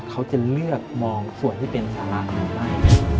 เขาจะเลือกมองส่วนที่เป็นสาราหรือไม่